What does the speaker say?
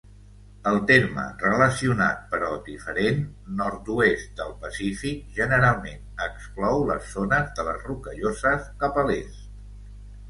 El terme relacionat, però diferent, "nord-oest del Pacífic" generalment exclou les zones de les Rocalloses cap a l'est.